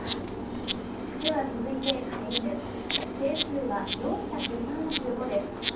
では続いて下院です。